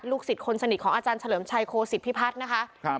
ชีวิตคนสนิทของอาจารย์เฉลิมชัยโครสิทธิ์พิพัฒน์นะคะ